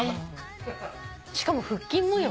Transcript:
しかも腹筋もよ。